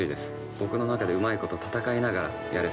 僕の中でうまいこと戦いながらやれたらいいなと。